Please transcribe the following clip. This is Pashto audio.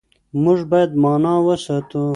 موږ بايد مانا وساتو.